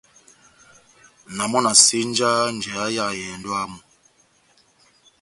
Na mɔ na senjaha njeya ya ehɛndɔ yámu.